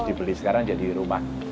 dibeli sekarang jadi rumah